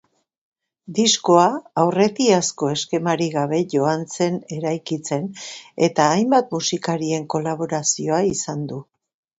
Diskoa aurretiazko eskemarik gabe joan zen eraikitzen eta hainbat musikariren kolaborazioa izan du.